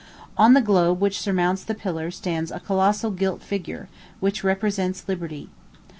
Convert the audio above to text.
On the globe which surmounts the pillar stands a colossal gilt figure, which represents Liberty.